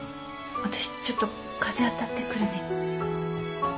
私ちょっと風当たってくるね。